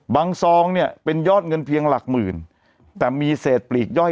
ซองเนี่ยเป็นยอดเงินเพียงหลักหมื่นแต่มีเศษปลีกย่อย